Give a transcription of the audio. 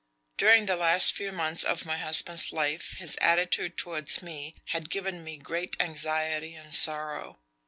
During the last few months of my husband's life his attitude towards me had given me great anxiety and sorrow.